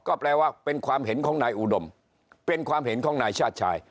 ก็แปลว่าเป็นความเห็นของนายอุดมเป็นความเห็นของนายชาติชาย